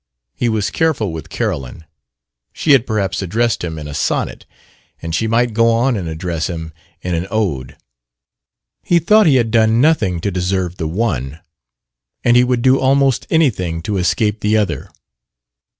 He was careful with Carolyn; she had perhaps addressed him in a sonnet, and she might go on and address him in an ode. He thought he had done nothing to deserve the one, and he would do almost anything to escape the other.